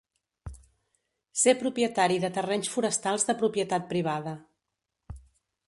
Ser propietari de terrenys forestals de propietat privada.